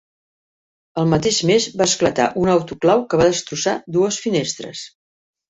El mateix mes va esclatar un autoclau que va destrossar dues finestres.